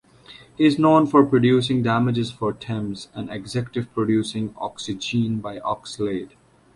He is known for producing "Damages" for Tems and executive producing "Oxygene" by Oxlade.